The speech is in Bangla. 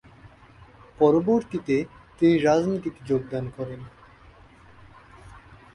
পরবর্তীতে, তিনি রাজনীতিতে যোগদান করেন।